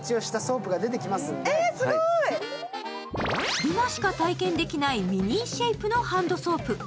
今しか体験できないミニーシェイプのハンドソープ。